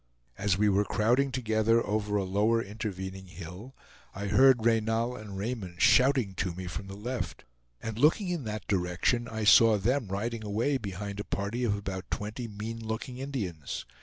As we were crowding together over a lower intervening hill, I heard Reynal and Raymond shouting to me from the left; and looking in that direction, I saw them riding away behind a party of about twenty mean looking Indians.